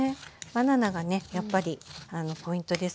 バナナがねやっぱりポイントですね